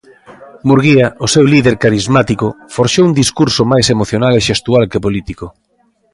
Murguía, o seu líder carismático forxou un discurso máis emocional e xestual que político.